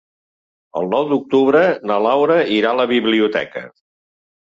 El nou d'octubre na Laura irà a la biblioteca.